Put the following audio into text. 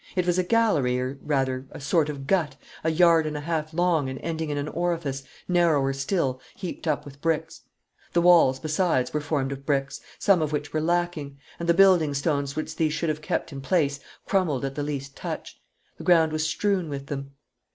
It was a gallery, or, rather, a sort of gut, a yard and a half long and ending in an orifice, narrower still, heaped up with bricks. The walls, besides, were formed of bricks, some of which were lacking; and the building stones which these should have kept in place crumbled at the least touch. The ground was strewn with them.